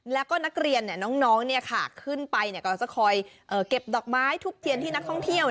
แล้วก็นักเรียนเนี่ยน้องเนี่ยค่ะขึ้นไปเนี่ยก็จะคอยเก็บดอกไม้ทุบเทียนที่นักท่องเที่ยว